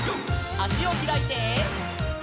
」あしをひらいて。